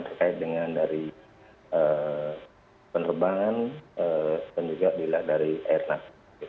terkait dengan dari penerbangan dan juga dari airnav